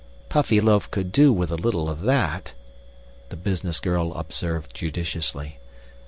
"Puffyloaf could do with a little of that," the business girl observed judiciously.